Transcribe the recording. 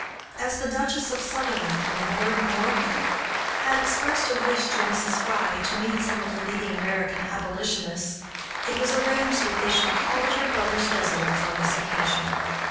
As the Duchess of Sutherland and Lord Morpeth had expressed a wish to Mrs. Fry to meet some of the leading American abolitionists, it was arranged that they should call at her brother's residence on this occasion.